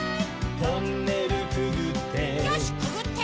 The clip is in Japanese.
「トンネルくぐって」